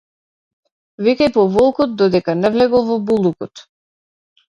Викај по волкот, додека не влегол во булукот.